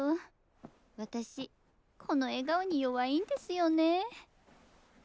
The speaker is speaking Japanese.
私この笑顔に弱いんですよね。